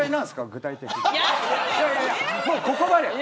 具体的に。